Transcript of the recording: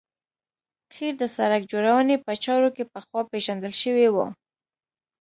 قیر د سرک جوړونې په چارو کې پخوا پیژندل شوی و